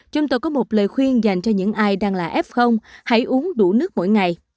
chúng tôi có một lời khuyên dành cho những ai đang là f hãy uống đủ nước mỗi ngày